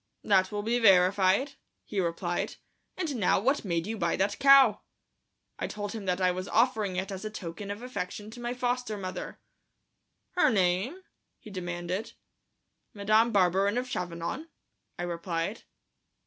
"That will be verified," he replied. "And now what made you buy that cow?" I told him that I was offering it as a token of affection to my foster mother. "Her name?" he demanded. "Madame Barberin of Chavanon," I replied.